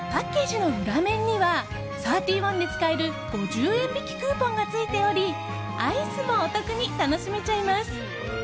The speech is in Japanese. パッケージの裏面にはサーティワンで使える５０円引きクーポンがついておりアイスもお得に楽しめちゃいます。